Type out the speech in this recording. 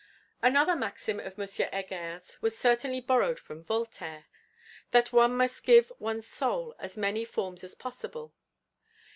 Another maxim of M. Heger's was certainly borrowed from Voltaire: That one must give one's soul as many forms as possible.